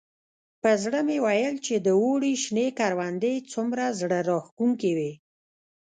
په زړه مې ویل چې د اوړي شنې کروندې څومره زړه راښکونکي وي.